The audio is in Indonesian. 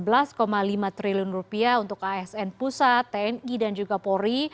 rp sebelas lima triliun rupiah untuk asn pusat tni dan juga polri